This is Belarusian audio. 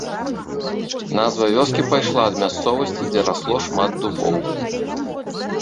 Назва вёскі пайшла ад мясцовасці, дзе расло шмат дубоў.